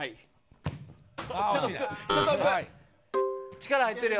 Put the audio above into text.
力入ってるよ。